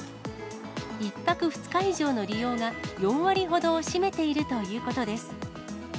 １泊２日以上の利用が４割ほど占めているということです。